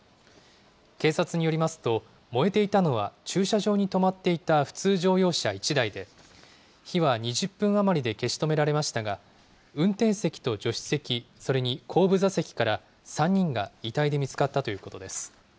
警察によりますと、燃えていたのは、駐車場に止まっていた普通乗用車１台で、火は２０分余りで消し止められましたが、運転席と助手席、それに後部座席から３人が遺体で見つかったということです。